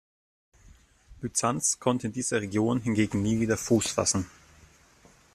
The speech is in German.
Byzanz konnte in dieser Region hingegen nie wieder Fuß fassen.